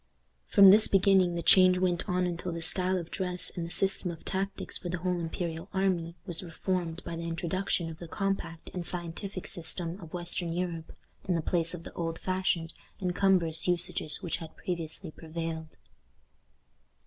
From this beginning the change went on until the style of dress and the system of tactics for the whole imperial army was reformed by the introduction of the compact and scientific system of western Europe, in the place of the old fashioned and cumbrous usages which had previously prevailed.